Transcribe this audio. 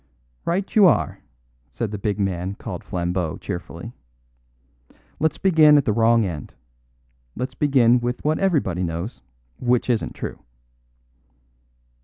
"Right you are," said the big man called Flambeau cheerfully. "Let's begin at the wrong end. Let's begin with what everybody knows, which isn't true."